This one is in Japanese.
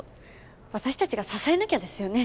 私たちが支えなきゃですよね。